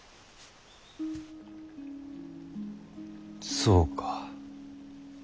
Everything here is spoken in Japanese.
そうか。